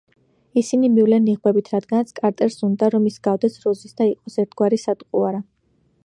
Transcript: ისინი მივლენ ნიღბებით, რადგანაც კარტერს უნდა, რომ ის ჰგავდეს როზის და იყოს ერთგვარი სატყუარა.